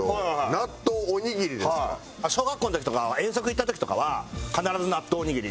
小学校の時とか遠足行った時とかは必ず納豆おにぎり。